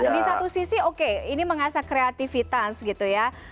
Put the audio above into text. di satu sisi oke ini mengasah kreativitas gitu ya